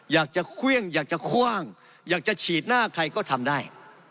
อยากจะเครื่องอยากจะคว่างอยากจะฉีดหน้าใครก็ทำได้